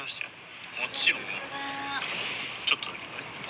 「ちょっとだけどね」。